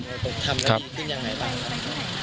ทำให้ดีขึ้นยังไหนบ้าง